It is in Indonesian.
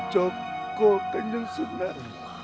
kau kenyang sunat